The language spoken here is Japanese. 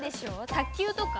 卓球とか？